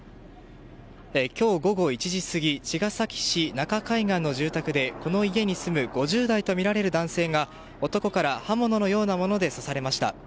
今日午後１時過ぎ茅ヶ崎市中海岸の住宅でこの家に住む５０代とみられる男性が男から刃物のようなもので刺されました。